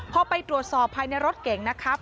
พอไปตรวจสอบภายในรถเก่งนะครับ